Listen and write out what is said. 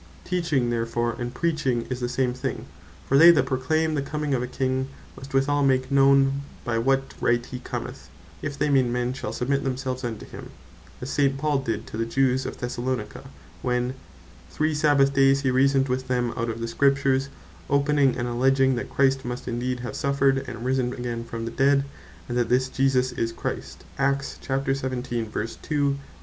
Teaching therefore, and Preaching is the same thing. For they that Proclaim the comming of a King, must withall make known by what right he commeth, if they mean men shall submit themselves unto him: As St. Paul did to the Jews of Thessalonica, when "three Sabbath days he reasoned with them out of the Scriptures, opening, and alledging that Christ must needs have suffered, and risen again from the dead, and that this Jesus is Christ."